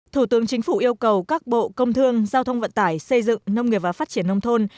thủ tướng chính phủ yêu cầu các bộ công thương giao thông vận tải xây dựng nông nghiệp và phát triển nông thôn